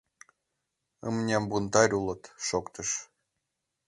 Ымня, бунтарь улыт», — шоктыш.